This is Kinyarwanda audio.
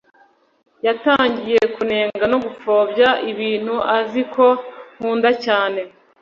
Yatangiye kunenga no gupfobya ibintu azi ko nkunda cyane